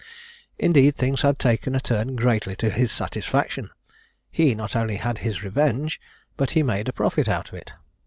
Indeed, things had taken a turn greatly to his satisfaction; he not only had his revenge, but he made a profit out of it.